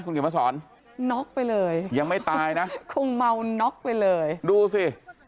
คุณเขียนมาสอนน็อกไปเลยยังไม่ตายนะคงเมาน็อกไปเลยดูสิ